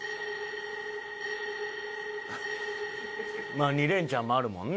まあ２連チャンもあるもんね。